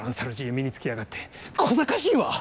身につけやがってこざかしいわ！